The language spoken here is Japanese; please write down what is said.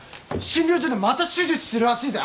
診療所でまた手術するらしいぜ。